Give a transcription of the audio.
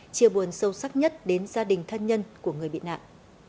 chia buồn sâu sắc nhất đến gia đình thân nhân của người bị nạn